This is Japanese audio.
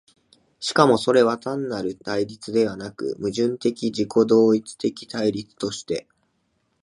しかもそれは単なる対立ではなく、矛盾的自己同一的対立として、